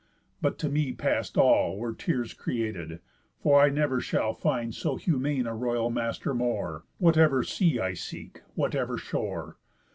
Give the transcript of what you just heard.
But to me past all Were tears created, for I never shall Find so humane a royal master more, Whatever sea I seek, whatever shore.